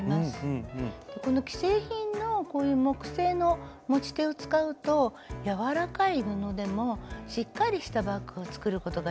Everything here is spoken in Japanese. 既製品の木製の持ち手を使うと柔らかい布でもしっかりしたバッグを作ることができるんです。